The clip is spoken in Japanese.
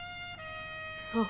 そう。